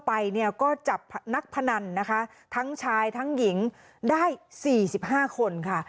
ไปเนี่ยก็จับนักพนันนะคะทั้งชายทั้งหญิงได้๔๕คนค่ะ